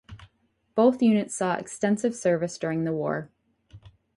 Both units saw extensive service during the war.